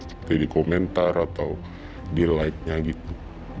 seperti di komentar atau di like nya gitu